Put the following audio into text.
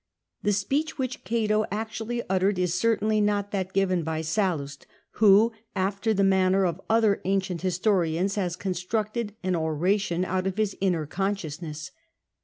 The speech which Cato actually uttered is certainly not that given by Sallust, who, after the manner of other ancient historians, has constructed an oration out of his inner consciousness.